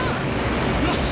よし！